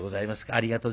ありがとう。